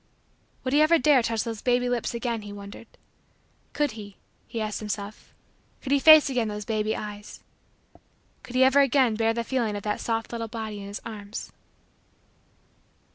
Would he ever dare touch those baby lips again he wondered. Could he, he asked himself, could he face again those baby eyes? Could he ever again bear the feeling of that soft little body in his arms?